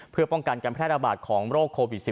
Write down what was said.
เพื่อป้องกันการแพร่ระบาดของโรคโควิด๑๙